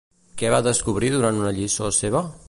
Què va descobrir durant una lliçó seva?